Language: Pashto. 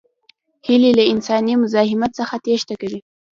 هیلۍ له انساني مزاحمت څخه تېښته کوي